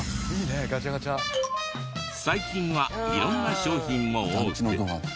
最近は色んな商品も多くて。